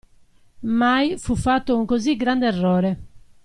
Mai fu fatto un così grande errore.